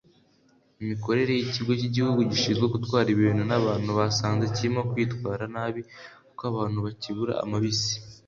imikorere y’ Ikigo cy Igihugu gishinzwe gutwara ibintu na bantu basanze kirimo kwitwara nabi kuko abantu bakibura amabisi